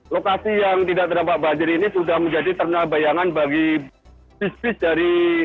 lokasi yang tidak terdampak banjir ini sudah menjadi ternyata bayangan bagi bis bis dari